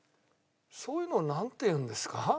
「そういうのをなんていうんですか？」。